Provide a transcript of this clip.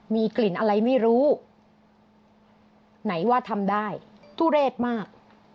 มีกลิ่นอะไรไม่รู้ไหนว่าทำได้ทุเรศมาก